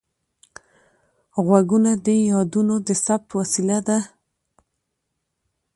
غوږونه د یادونو د ثبت وسیله ده